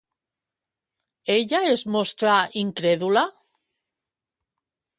Ella es mostrà incrèdula?